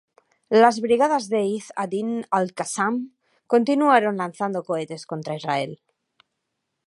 Las Brigadas de Izz ad-Din al-Qassam continuaron lanzando cohetes contra Israel.